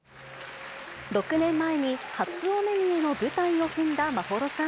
６年前に初お目見えの舞台を踏んだ眞秀さん。